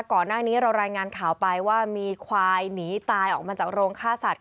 ก่อนหน้านี้เรารายงานข่าวไปว่ามีควายหนีตายออกมาจากโรงฆ่าสัตว